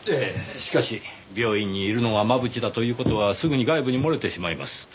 しかし病院にいるのが真渕だという事はすぐに外部に漏れてしまいます。